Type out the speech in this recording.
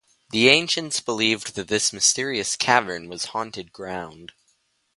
The ancients believed that this mysterious cavern was haunted ground.